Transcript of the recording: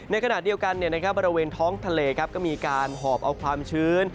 ในขณะเดียวกันบริเวณท้องทะเลก็มีการหอบเอาความชื้น